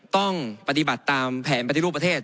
ต้องปฏิบัติตามแผนปฏิรูปประเทศ